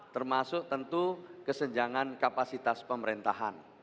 termasuk tentu kesenjangan kapasitas pemerintahan